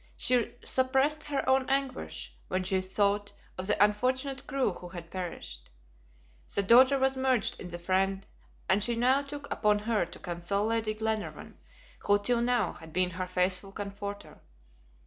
She suppressed her own anguish, when she thought of the unfortunate crew who had perished. The daughter was merged in the friend, and she now took upon her to console Lady Glenarvan, who till now had been her faithful comforter.